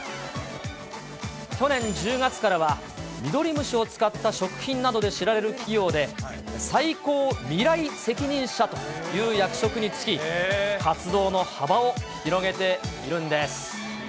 去年１０月からは、ミドリムシを使った食品などで知られる企業で、最高未来責任者という役職に就き、活動の幅を広げているんです。